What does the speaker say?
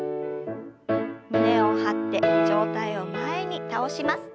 胸を張って上体を前に倒します。